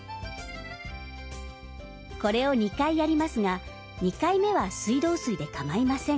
これを２回やりますが２回目は水道水でかまいません。